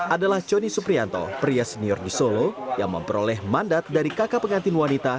adalah conny suprianto pria senior di solo yang memperoleh mandat dari kakak pengantin wanita